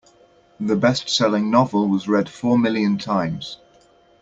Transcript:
The bestselling novel was read four million times.